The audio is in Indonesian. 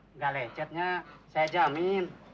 enggak lecetnya saya jamin